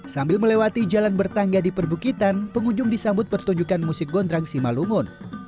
sambil melewati jalan bertangga di perbukitan pengunjung disambut pertunjukan musik gondrang simalungun